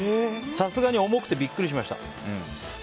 さすがに重くてビックリしました。